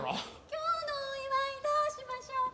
今日のお祝いどうしましょうか？